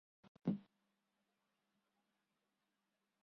They depart abruptly, briefly returning for Lucy's funeral in May.